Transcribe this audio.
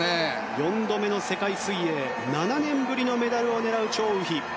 ４度目の世界水泳７年ぶりのメダルを狙うチョウ・ウヒ。